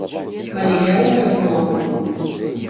Але я вам дапамагу.